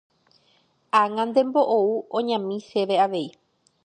ag̃antemo ou oñami chéve avei.